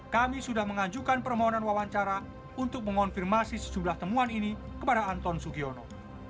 kami sudah mengajukan permohonan wawancara untuk mengonfirmasi sejumlah temuan ini kepada anton sugiono